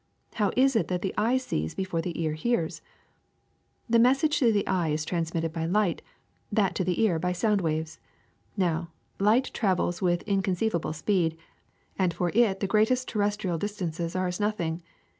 How is it that the eye sees before the ear hears ? ^'The message to the eye is transmitted by light, that to the ear by sound waves. Now, light travels with inconceivable speed, and for it the greatest ter restrial distances are as nothing.